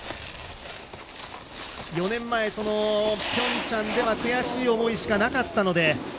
４年前、ピョンチャンでは悔しい思いしかなかったので。